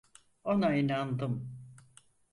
Ona inandım.